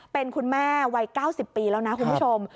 เป็นคุณแม่วัย๙๐ปีแล้วนะคุณผู้ชม